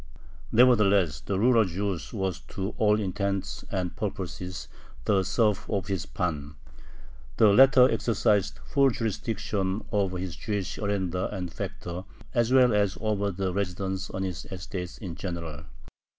Nevertheless the rural Jew was to all intents and purposes the serf of his pan. The latter exercised full jurisdiction over his Jewish arendar and "factor" as well as over the residents on his estates in general.